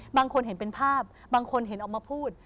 บางคนเห็นเป็นภาพบางคนเห็นออกมาพูด